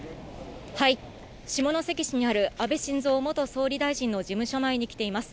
下関市にある安倍晋三元総理大臣の事務所前に来ています。